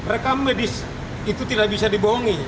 rekam medis itu tidak bisa dibohongi